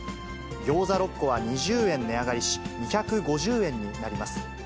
ギョーザ６個は２０円値上がりし、２５０円になります。